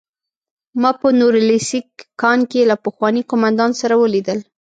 ما په نوریلیسک کان کې له پخواني قومندان سره ولیدل